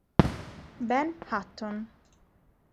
Ben Hutton